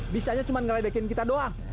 bisa aja cuma ngeledekin kita doang